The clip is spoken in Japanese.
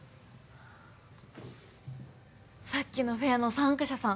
さっきのフェアの参加者さん